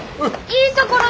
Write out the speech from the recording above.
いいところ？